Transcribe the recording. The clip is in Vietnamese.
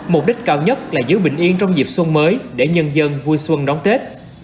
mục đích cao nhất là giữ bình yên trong dịp xuân mới để nhân dân vui xuân đón tết